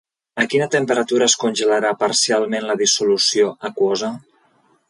A quina temperatura es congelarà parcialment la dissolució aquosa?